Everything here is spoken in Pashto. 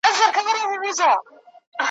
درواغجن حافظه نلري ,